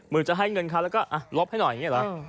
จะให้เงินเขาแล้วก็ลบให้หน่อยอย่างนี้เหรอ